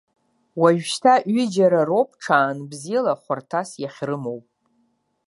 Уажәшьҭа ҩџьара роуп ҽаанбзиала ҳәарҭас иахьрымоу.